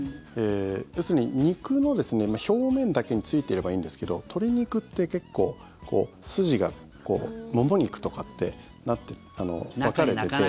要するに、肉の表面だけについていればいいんですけど鶏肉って結構、筋がこうもも肉とかって分かれていて。